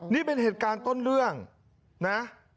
นี่เป็นเหตุการณ์ต้นเรื่องนะ